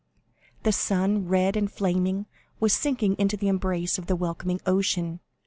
The sun, red and flaming, was sinking into the embrace of the welcoming ocean.